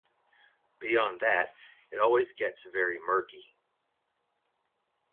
Beyond that, it always gets very murky.